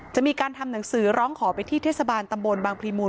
จะมีการทำหนังสือร้องขอไปที่เทศบาลตำบลบางพลีมูล